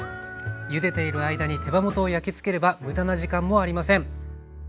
ゆでている間に手羽元を焼きつければ無駄な時間もありません。